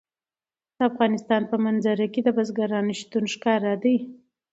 د افغانستان په منظره کې د بزګانو شتون ښکاره دی.